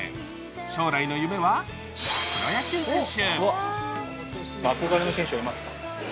将来の夢はプロ野球選手。